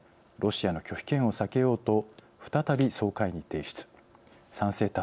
ロシアの拒否権を避けようと再び総会に提出賛成